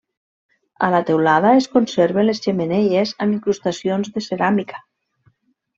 A la teulada es conserven les xemeneies amb incrustacions de ceràmica.